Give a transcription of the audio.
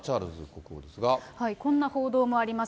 こんな報道もあります。